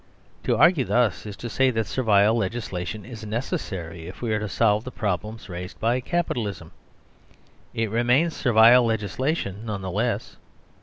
Toarguethus is to say that Servile legislation is necessary if we are tosolvetheproblemsraisedbyCapitalism. Itremains servile legislation none the less.